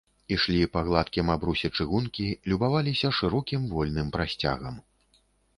Ішлі па гладкім абрусе чыгункі, любаваліся шырокім, вольным прасцягам.